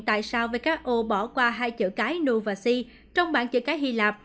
tại sao who bỏ qua hai chữ cái nu và si trong bản chữ cái hy lạp